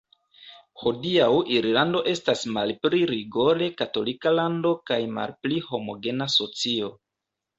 Hodiaŭ Irlando estas malpli rigore katolika lando kaj malpli homogena socio.